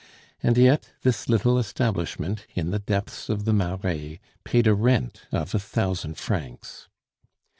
And yet, this little establishment, in the depths of the Marais, paid a rent of a thousand francs.